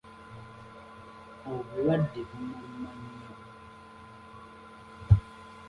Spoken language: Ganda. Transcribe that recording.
Obulwadde bumuluma nnyo.